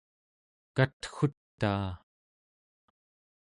katgutaa